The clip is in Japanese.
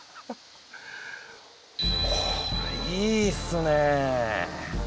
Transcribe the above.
これいいですね！